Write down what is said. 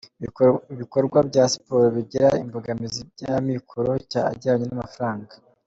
ibikorwa bya siporo bigira imbogamizi by’amikoro ajyanye n’amafaranga.